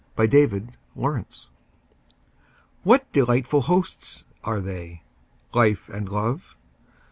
A PARTING GUEST WHAT delightful hosts are they Life and Love!